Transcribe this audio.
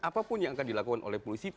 apapun yang akan dilakukan oleh polisi